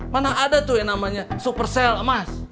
mana ada tuh yang namanya super sale emas